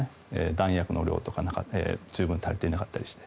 弾薬の量とか十分足りていなかったりして。